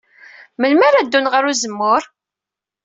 Melmi ara ddun ɣer uzemmur?